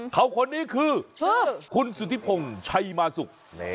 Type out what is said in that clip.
เขาคนนี้คือคุณสุธิพงศ์ชัยมาสุก